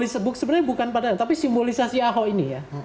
sebenarnya bukan pada tapi simbolisasi aho ini ya